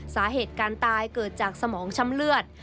สาเหตุการตายจากให้สมองชำเลือด